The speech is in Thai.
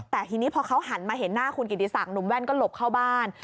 แต่ทีนี้พอเขาหันมาเห็นหน้าคุณกิติศักดิมแว่นก็หลบเข้าบ้าน